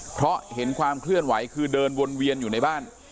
เพราะเห็นความเคลื่อนไหวคือเดินวนเวียนอยู่ในบ้าน